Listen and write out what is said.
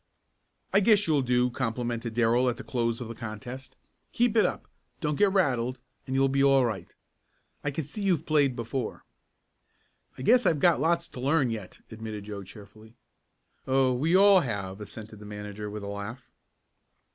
"I guess you'll do," complimented Darrell, at the close of the contest. "Keep it up, don't get rattled, and you'll be all right. I can see you've played before." "I guess I've got lots to learn yet," admitted Joe cheerfully. "Oh, we all have," assented the manager with a laugh.